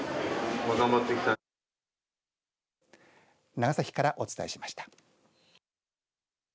長崎からお伝えしました。